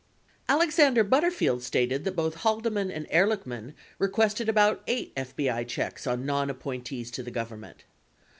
Alexander Butterfield stated that both Haldeman and Ehrlichman requested about eight FBI checks on nonappointees to the Government.